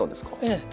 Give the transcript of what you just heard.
ええ。